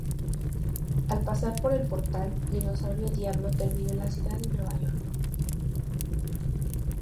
Al pasar por el portal, Dinosaurio Diablo terminó en la ciudad de Nueva York.